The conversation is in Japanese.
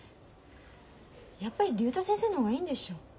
やっぱり竜太先生の方がいいんでしょ。